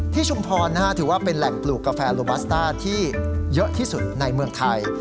ชุมพรถือว่าเป็นแหล่งปลูกกาแฟโลบัสต้าที่เยอะที่สุดในเมืองไทย